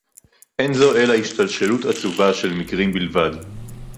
אֵין זוֹ אֶלָּא הִשְׁתַּלְשְׁלוּת עֲצוּבָה שֶׁל מִקְרִים בִּלְבַד